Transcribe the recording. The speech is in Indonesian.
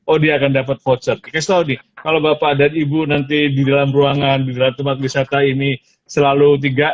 oh dia akan dapat voucher kalau bapak dan ibu nanti di dalam ruangan di dalam tempat wisata ini selalu